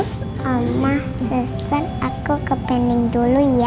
mama sister aku ke penning dulu ya